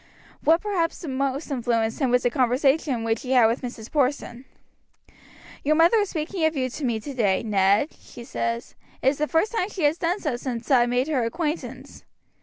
What perhaps most influenced him was a conversation which he had with Mrs. Porson. "Your mother was speaking of you to me today, Ned," she said; "it is the first time she has done so since I made her acquaintance.